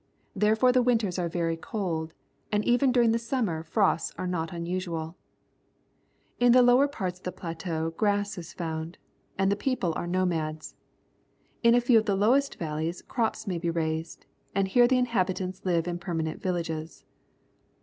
Therefore the winters are very cold, and even during the summer frosts are not unusual. In the lower A typical Tea bush of Eastern Asia parts of the plateau grass is found, and the people are nomads. In a few of the lowest valleys crops may be raised, and here the inhabitants li^•e in permanent \'illages.